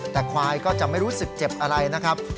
แต่ควายก็จะไม่รู้สึกเจ็บอะไรนะครับ